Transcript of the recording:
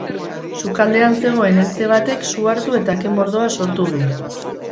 Sukaldean zegoen eltze batek su hartu eta ke-mordoa sortu du.